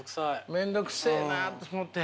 面倒くせえなと思って。